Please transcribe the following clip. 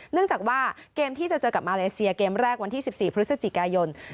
เนื่องจากว่าเกมที่จะเจอกับมาเลเซียเกมแรกวันที่๑๔พฤศจิกายน